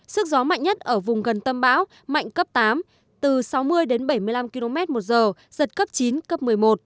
sức gió mạnh nhất ở vùng gần tâm bão mạnh cấp tám từ sáu mươi đến bảy mươi năm km một giờ giật cấp chín cấp một mươi một